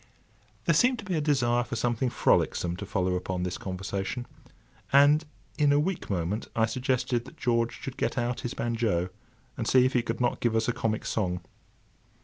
There seemed to be a desire for something frolicksome to follow upon this conversation, and in a weak moment I suggested that George should get out his banjo, and see if he could not give us a comic song.